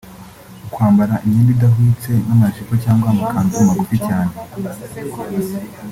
Kwambara imyenda idahwitse nk’amajipo cyangwa amakanzu magufi cyane